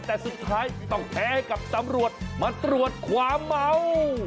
แต่สุดท้ายต้องแพ้ให้กับตำรวจมาตรวจความเมา